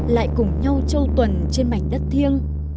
lại cùng nhau trâu tuần trên mảnh đất thiêng